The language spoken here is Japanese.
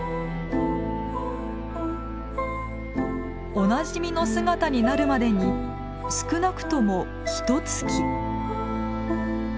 おなじみの姿になるまでに少なくともひとつき。